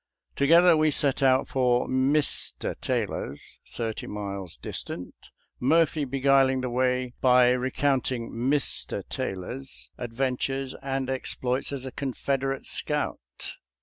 Together, we set out for Mr. Taylor's, thirty miles distant. Murphy be guiling the way by recounting Mr. Taylor's ad ventures and exploits as a Confederate scout.